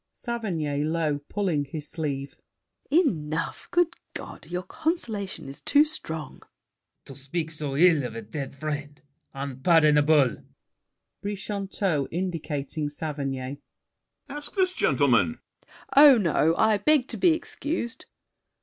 SAVERNY (low, pulling his sleeve). Enough! Good God! Your consolation is Too strong. LAFFEMAS. To speak so ill of a dead friend! Unpardonable! BRICHANTEAU (indicating Saverny). Ask this gentleman! SAVERNY. Oh, no; I beg to be excused!